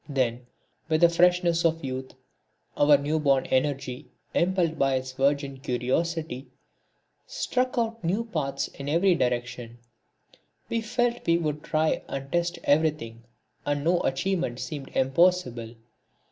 Then, with the freshness of youth, our new born energy, impelled by its virgin curiosity, struck out new paths in every direction. We felt we would try and test everything, and no achievement seemed impossible.